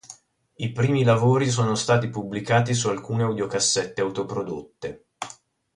I primi lavori sono stati pubblicati su alcune audiocassette autoprodotte.